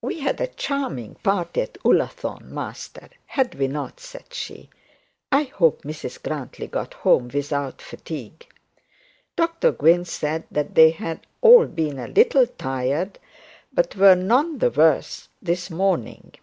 'We had a charming party at Ullathorne, Master, had we not?' said she. 'I hope Mrs Grantly got home without fatigue.' Dr Gwynne said that they had all been a little tired, but were none the worse this morning.